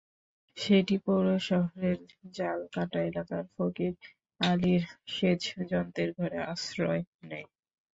সেটি পৌর শহরের জালকাটা এলাকার ফকির আলীর সেচযন্ত্রের ঘরে আশ্রয় নেয়।